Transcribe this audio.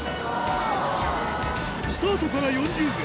スタートから４０秒